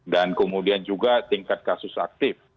dan kemudian juga tingkat kasus aktif